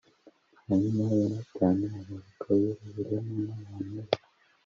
hanyuma yonatani agaruka i yeruzalemu n'abantu be